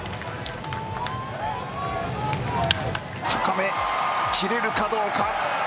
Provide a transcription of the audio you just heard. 高め、きれるかどうか。